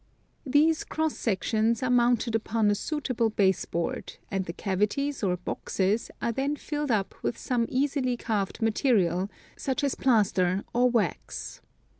These cross sections are mounted upon a suitable base board, and the cavities or boxes are then filled up with some easily carved material, such as plaster or wax.